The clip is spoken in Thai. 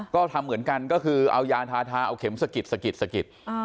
ก็ทำเหมือนกันก็คือเอายาทาเอาเข็มสกิด